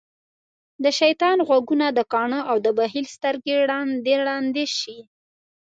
دشيطان غوږونه دکاڼه او دبخیل سترګی د ړندی شی